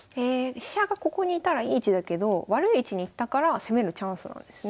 飛車がここにいたらいい位置だけど悪い位置に行ったから攻めるチャンスなんですね。